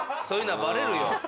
そういうのはバレるよ。